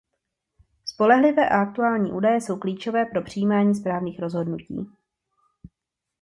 Spolehlivé a aktuální údaje jsou klíčové pro přijímání správných rozhodnutí.